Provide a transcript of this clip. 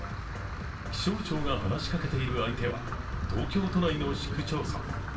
気象庁が話しかけている相手は、東京都内の市区町村。